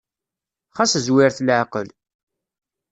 Xas zwiret leɛqel.